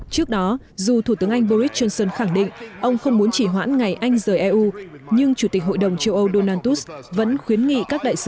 trước đó dù thủ tướng anh boris johnson khẳng định ông không muốn chỉ hoãn ngày anh rời eu nhưng chủ tịch hội đồng châu âu donald tusk vẫn khuyến nghị các đại sứ